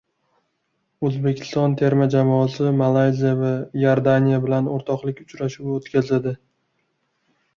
O‘zbekiston terma jamoasi Malayziya va Iordaniya bilan o‘rtoqlik uchrashuvi o‘tkazadi